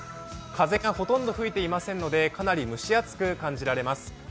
風がほとんど吹いていませんのでかなり蒸し暑く感じます。